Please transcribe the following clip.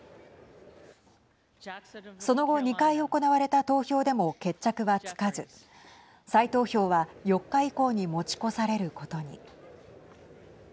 その後２回行われた投票でも決着はつかず再投票は４日以降に持ち越されることに。